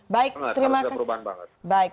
harus ada perubahan banget